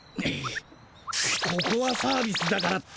ここはサービスだからって。